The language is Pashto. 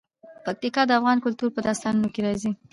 پکتیکا د افغان کلتور په داستانونو کې راځي.